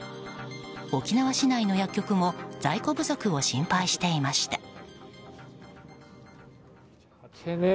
沖縄市内の薬局も在庫不足を心配していました。